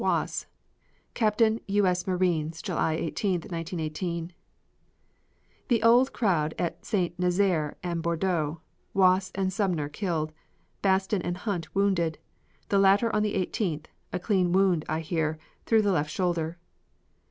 Wass, Captain U. S. Marines, July 18, 1918" The old crowd at St. Nazaire and Bordeaux, Wass and Sumner killed, Baston and Hunt wounded, the latter on the 18th, a clean wound, I hear, through the left shoulder.